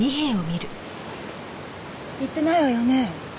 言ってないわよね？